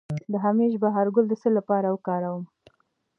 د همیش بهار ګل د څه لپاره وکاروم؟